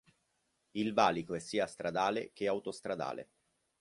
Il valico è sia stradale che autostradale.